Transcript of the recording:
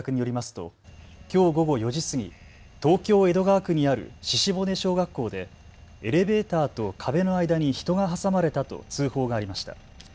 ときょう午後４時過ぎ東京江戸川区にある鹿骨小学校でエレベーターと壁の間に人が挟まれたと通報がありました。